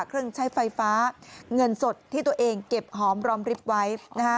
เครื่องใช้ไฟฟ้าเงินสดที่ตัวเองเก็บหอมรอมริบไว้